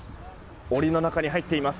檻の中に入っています。